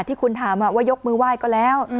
ที่คุณถามว่ายกมือไหว้ก็แล้ว